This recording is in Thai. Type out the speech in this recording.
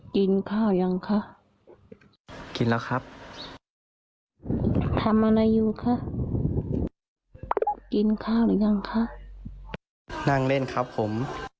กินข้าวยังคะกินแล้วครับทำอะไรอยู่คะกินข้าวหรือยังคะนั่งเล่นครับผม